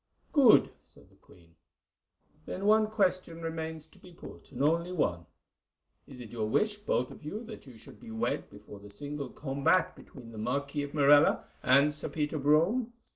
"Good," said the queen. "Then one question remains to be put, and only one. Is it your wish, both of you, that you should be wed before the single combat between the Marquis of Morella and Sir Peter Brome?